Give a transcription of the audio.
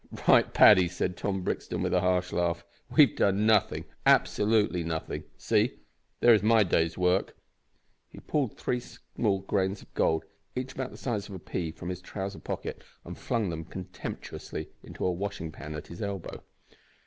"Right, Paddy," said Tom Brixton, with a harsh laugh; "we've done nothing absolutely nothing. See, there is my day's work." He pulled three small grains of gold, each about the size of a pea, from his trousers pocket, and flung them contemptuously into a washing pan at his elbow.